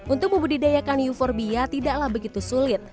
untuk membudidayakan euforbia tidaklah begitu sulit